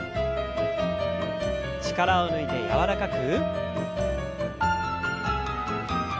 力を抜いて柔らかく。